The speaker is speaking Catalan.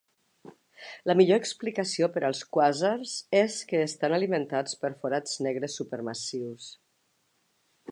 La millor explicació per als quàsars és que estan alimentats per forats negres supermassius.